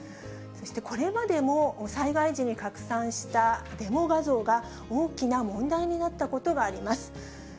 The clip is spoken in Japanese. そしてこれまでも災害時に拡散したデマ画像が、大きな問題になったことがあります。